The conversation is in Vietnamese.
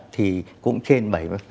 thì cũng trên bảy mươi